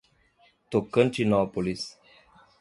Tocantinópolis